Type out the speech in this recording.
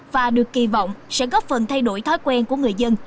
và được kỳ vọng sẽ góp phần thay đổi thói quen của người dân